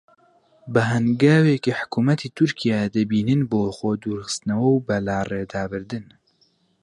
بە هەنگاوێکی حکوومەتی تورکیا دەبینن بۆ خۆدوورخستنەوە و بەلاڕێدابردن